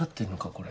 これ。